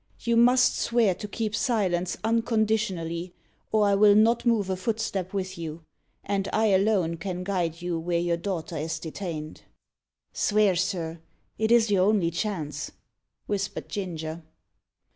"You must swear to keep silence unconditionally, or I will not move a footstep with you; and I alone can guide you where your daughter is detained." "Svear, sir; it is your only chance," whispered Ginger.